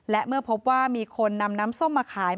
และเมื่อพบว่ามีคนนำน้ำส้มมาขาย